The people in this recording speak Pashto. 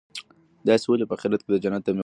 تاسي ولي په اخیرت کي د جنت د مېوو هیله نه لرئ؟